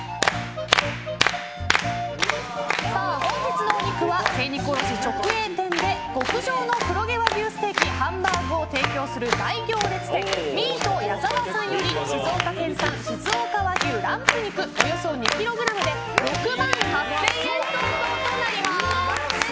本日のお肉は精肉卸直営店で極上の黒毛和牛ステーキハンバーグを提供する大行列店ミート矢澤さんより静岡県産しずおか和牛ランプ肉、およそ２ｋｇで６万８０００円相当となります。